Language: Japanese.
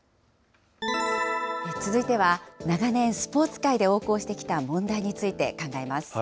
続いては長年スポーツ界で横行してきた問題について考えます。